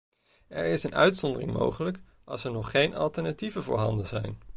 Er is een uitzondering mogelijk, als er nog geen alternatieven voorhanden zijn.